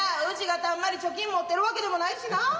うちがたんまり貯金持ってるわけでもないしな。